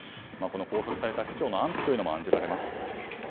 拘束された市長の安否というのも案じられます。